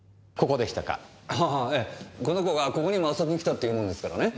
この子がここにも遊びに来たって言うもんですからね。